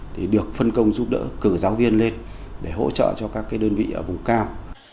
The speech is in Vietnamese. thì được phân công giúp đỡ cử giáo viên lên để hỗ trợ cho các đơn vị ở vùng cao